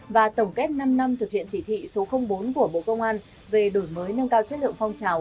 và tổng kết năm năm thực hiện chỉ thị số bốn của bộ công an về đổi mới nâng cao chất lượng phong trào